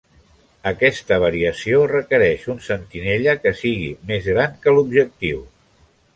Aquesta variació requereix un sentinella que sigui més gran que l'objectiu.